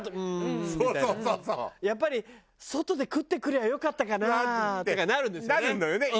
「やっぱり外で食ってくりゃよかったかな」とかなるんですよね。